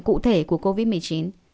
cụ thể của covid một mươi chín